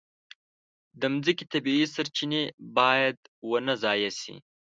د مځکې طبیعي سرچینې باید ونه ضایع شي.